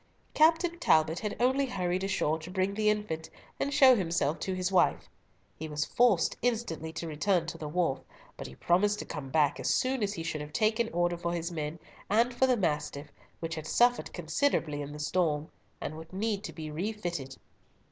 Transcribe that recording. Captain Talbot had only hurried ashore to bring the infant, and show himself to his wife. He was forced instantly to return to the wharf, but he promised to come back as soon as he should have taken order for his men, and for the Mastiff, which had suffered considerably in the storm, and would need to be refitted.